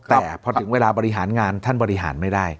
แต่พอถึงเวลาบริหารงานท่านบริหารไม่ได้